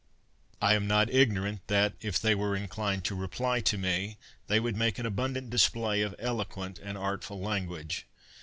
I am not ignorant that, if they were inclined to reply to me, they would make an abundant display of eloquent and artful language.